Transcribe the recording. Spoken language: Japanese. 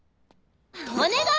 お願い！